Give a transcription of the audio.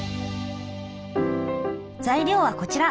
材料はこちら。